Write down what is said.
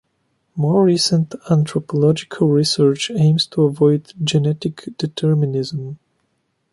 More recent anthropological research aims to avoid genetic determinism.